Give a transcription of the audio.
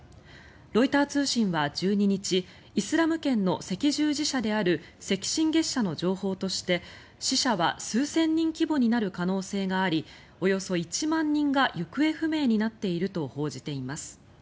ロイター通信は１２日イスラム圏の赤十字社である赤新月社の情報として死者は数千人規模になる可能性がありおよそ１万人が行方不明になっていると報じています。